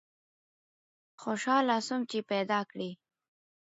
خوشحاله سوم چي پیداکړې